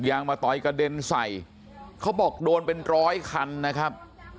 มาต่อยกระเด็นใส่เขาบอกโดนเป็นร้อยคันนะครับ